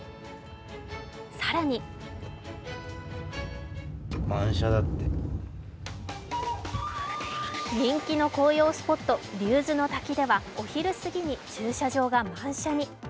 更に人気の紅葉スポット竜頭ノ滝ではお昼過ぎに駐車場が満車に。